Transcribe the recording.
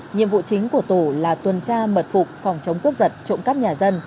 nhiệm vụ chính của tổ là tuần tra mật phục phòng chống cướp giật trộm cắp nhà dân